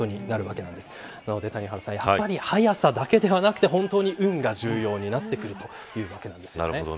なので谷原さん、やっぱり速さだけではなくて本当に運が重要になってくるというわけなんですね。